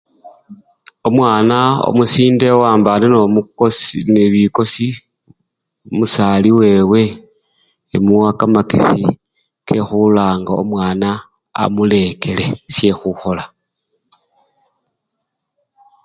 Omwana omusinde owambane nomukosi! ne bikosi, omusali wewe emuwa kamakesi kekhulanga omwana amulekele shekhukhola.